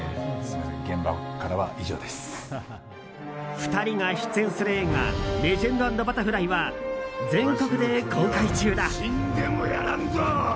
２人が出演する映画「レジェンド＆バタフライ」は全国で公開中だ。